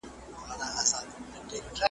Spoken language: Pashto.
ځان ته یې د فکر وخت ورکاوه.